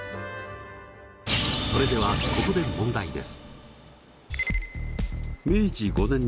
それではここで問題です。